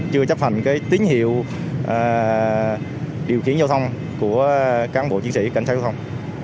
chưa chấp hành tín hiệu điều khiển giao thông của cán bộ chiến sĩ cảnh sát giao thông